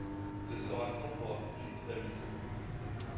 Ce sera sans moi, j'ai une famille.